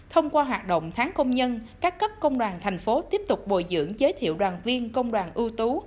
thông qua hoạt động tháng công nhân các cấp công đoàn thành phố tiếp tục bồi dưỡng giới thiệu đoàn viên công đoàn ưu tú